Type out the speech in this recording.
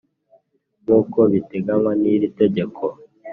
nk uko biteganywa n iri tegeko